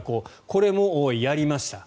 これもやりました。